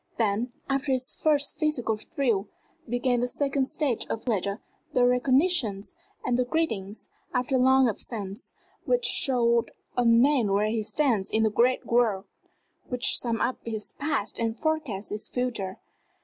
Then, after this first physical thrill, began the second stage of pleasure the recognitions and the greetings, after long absence, which show a man where he stands in the great world, which sum up his past and forecast his future.